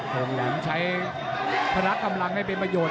คงแหลมใช้พละกำลังให้เป็นประโยชน